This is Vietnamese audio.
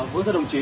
quý thưa đồng chí